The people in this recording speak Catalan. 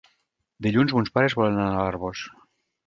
Dilluns mons pares volen anar a l'Arboç.